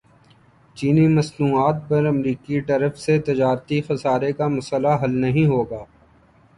چینی مصنوعات پر امریکی ٹیرف سے تجارتی خسارے کا مسئلہ حل نہیں ہوگا